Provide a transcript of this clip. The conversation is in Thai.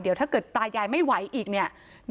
เดี๋ยวถ้าเกิดตายายไม่ไหวอีกเนี่ย